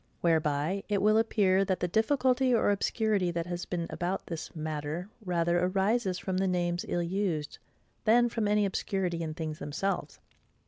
Whereby it will appear, that the difficulty or obscurity that has been about this matter rather rises from the names ill used, than from any obscurity in things themselves.